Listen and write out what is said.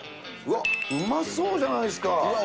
うわっうまそうじゃないですか。